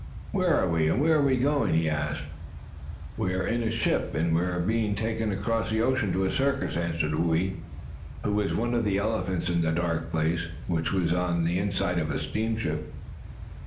"Where are we, and where are we going?" he asked. "We are in a ship, and we are being taken across the ocean to a circus," answered Whoo ee, who was one of the elephants in the dark place, which was the inside of a steamship.